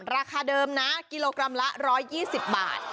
ราคาเดิมนะกิโลกรัมละ๑๒๐บาท